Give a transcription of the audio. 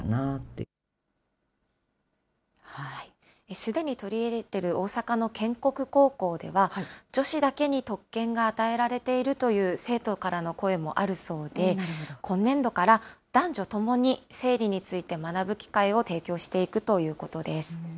すでに取り入れている大阪の建国高校では、女子だけに特権が与えられているという、生徒からの声もあるそうで、今年度から男女ともに生理について学ぶ機会を提供していくということです。